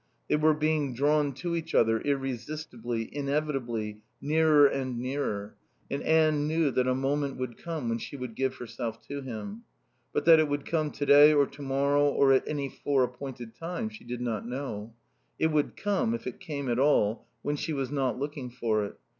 They were being drawn to each other, irresistibly, inevitably, nearer and nearer, and Anne knew that a moment would come when she would give herself to him. But that it would come today or to morrow or at any fore appointed time she did not know. It would come, if it came at all, when she was not looking for it.